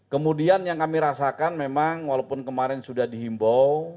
kemudian yang kami rasakan memang walaupun kemarin sudah dihimbau